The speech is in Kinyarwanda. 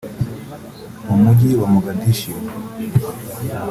mu mujyi wa Mogadiscio